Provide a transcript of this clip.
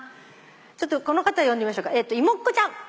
ちょっとこの方呼んでみましょうか芋っ子ちゃん。